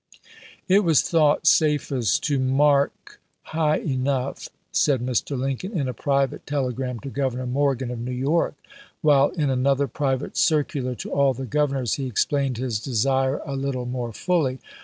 "It was thought safest to mark high enough," said Mr. Lincoln in a private telegram to Governor Morgan of New York ; while in another private cir cular to all the governors he explained his desire a little more fully.